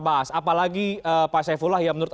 bahas apalagi pak sayang vulo ya menurut